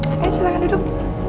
ayo silahkan duduk